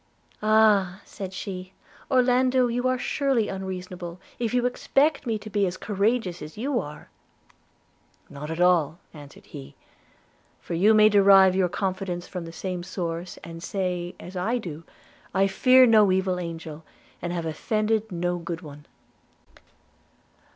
'Ah!' said she, 'Orlando, you are surely unreasonable, if you expect me to be as courageous as you are!' 'Not at all,' answered he; 'for you may derive your confidence from the same source, and say, as I do, I fear no evil angel, and have offended no good one.'